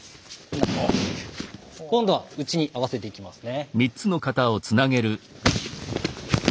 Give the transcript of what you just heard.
今度は打ちに合わせていきますね。